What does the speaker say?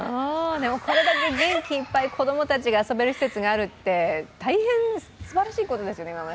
これだけ元気いっぱい子供たちが遊べる施設があるって、大変すばらしいことですよね。